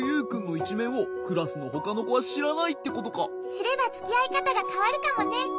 しればつきあいかたがかわるかもね。